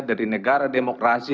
dari negara demokrasi